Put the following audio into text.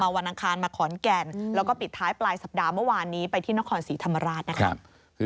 วันอังคารมาขอนแก่นแล้วก็ปิดท้ายปลายสัปดาห์เมื่อวานนี้ไปที่นครศรีธรรมราชนะครับ